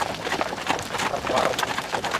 দোক্তা খাওয়া অভ্যেস আছে?